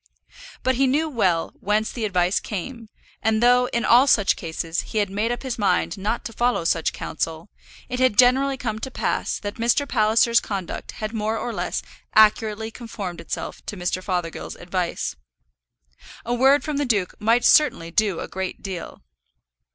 But he knew well whence the advice came; and though, in all such cases, he had made up his mind not to follow such counsel, it had generally come to pass that Mr. Palliser's conduct had more or less accurately conformed itself to Mr. Fothergill's advice. A word from the duke might certainly do a great deal!